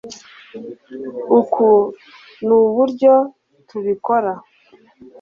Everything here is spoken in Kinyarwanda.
uku nuburyo tubikora